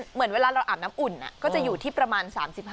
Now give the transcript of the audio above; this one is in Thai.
เหมือนเวลาเราอาบน้ำอุ่นก็จะอยู่ที่ประมาณ๓๕